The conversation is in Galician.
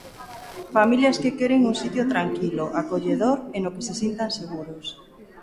Familias que queren un sitio tranquilo, acolledor e no que se sintan seguros.